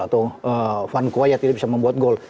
atau van kwayat ini bisa membuat gol